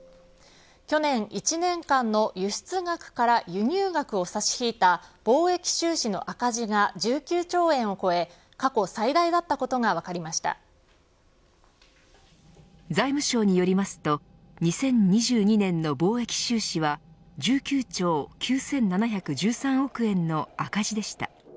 去年１年間の輸出額から輸入額を差し引いた貿易収支の赤字が１９兆円を超え過去最大だったことが財務省によりますと２０２２年の貿易収支は１９兆９７１３億円の赤字でした。